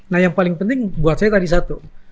nah yang paling penting buat saya tadi satu